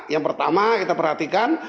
yang pertama kita perhatikan